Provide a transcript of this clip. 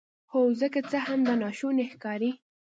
هو زه که څه هم دا ناشونی ښکاري